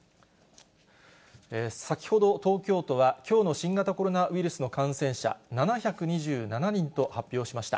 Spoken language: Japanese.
先ほど東京都は、きょうの新型コロナウイルスの感染者７２７人と発表しました。